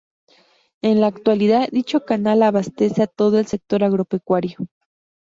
En la actualidad dicho canal abastece a todo el sector agropecuario.